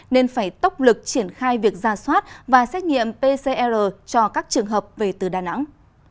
nên phải tốc lực triển khai việc ra soát và xét nghiệm pcr cho các trường hợp về từ đà nẵng